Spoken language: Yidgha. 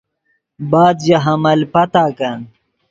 بعد ژے حمل پتاکن